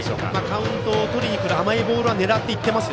カウントとりにくる甘いボールを狙っています。